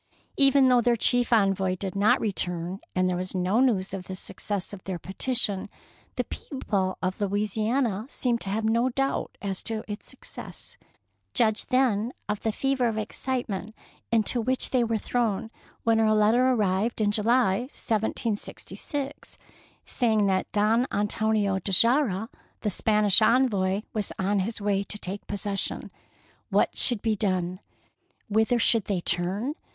Even though their chief envoy did not return, and there was no news of the success of their petition, the people of Louisiana seemed to have no doubt as to its success. Judge then of the fever of excitement into which they were thrown when a letter arrived in July, 1766, saying that Don Antonio de Ulloa, the Spanish envoy, was on his way to take possession. What should be done? Whither should they turn?